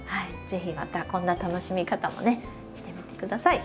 是非またこんな楽しみ方もねしてみて下さい。